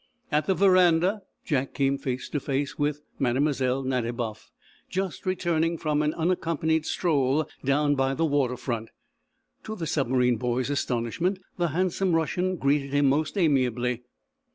At the veranda Jack came face to face with Mlle. Nadiboff, just returning from an unaccompanied stroll down by the water front. To the submarine boy's astonishment the handsome Russian greeted him most amiably.